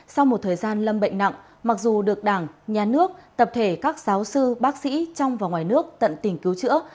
sau một thời gian lâm bệnh nặng mặc dù được đảng nhà nước tập thể các giáo sư bác sĩ trong và ngoài nước tận tình cứu chữa